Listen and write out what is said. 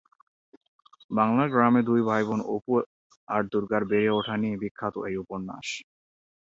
বাংলার গ্রামে দুই ভাইবোন অপু আর দুর্গার বেড়ে ওঠা নিয়েই বিখ্যাত এই উপন্যাস।